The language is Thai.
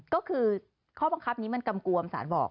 ก็คือข้อบังคับนี้มันกำกวมสารบอก